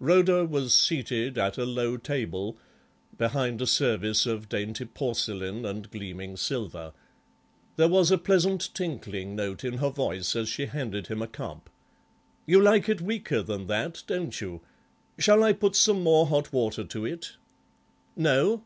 Rhoda was seated at a low table, behind a service of dainty porcelain and gleaming silver. There was a pleasant tinkling note in her voice as she handed him a cup. "You like it weaker than that, don't you? Shall I put some more hot water to it? No?"